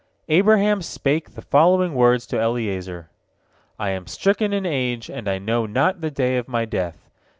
Abraham spake the following words to Eliezer: "I am stricken in age, and I know not the day of my death.